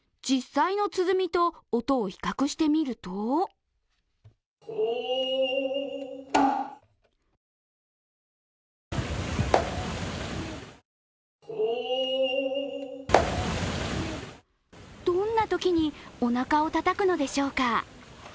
実際の鼓と音を比較してみるとどんなときにおなかをたたくのでしょうか。